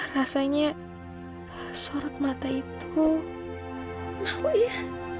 rasanya sorot mata itu mau ya